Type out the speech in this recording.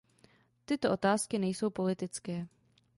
Tyto otázky nejsou politické.